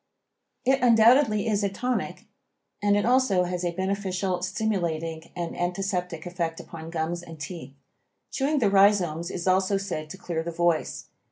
It undoubtedly is a tonic and it also has a beneficial, stimulating and antiseptic effect upon gums and teeth. Chewing the rhizomes is also said to clear the voice.